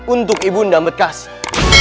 untuk ibu ndanget kasih